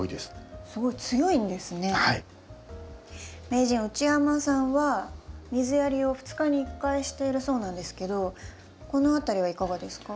名人内山さんは水やりを２日に１回しているそうなんですけどこの辺りはいかがですか？